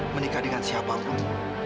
menikah dengan siapa pun